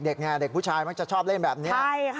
ตอนเด็กไงเด็กผู้ชายมักจะชอบเล่นแบบนี้